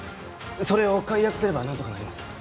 それを解約すればなんとかなります。